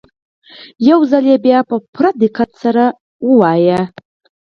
يو ځل بيا يې په پوره دقت سره ولولئ.